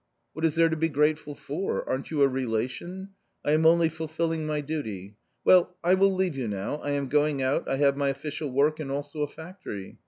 " What is there to be grateful for ? Aren't you a relation ? I am only fulfilling my duty. Well, I will leave you now, I v am going out, I have my official work and also & factory